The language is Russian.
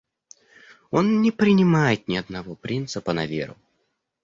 Он не принимает ни одного принципа на веру.